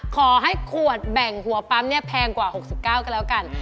ขอให้ขวดแบ่งหัวปั๊มเนี่ยแพงกว่า๖๙ก็แล้วกัน